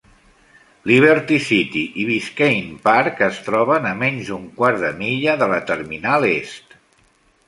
Liberty City i Biscayne Park es troben a menys d'un quart de milla de la terminal est.